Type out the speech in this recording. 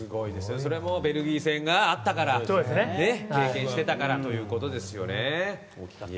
それもベルギー戦があったから経験していたからということですよね。